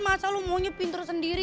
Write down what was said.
masa lo maunya pinter sendiri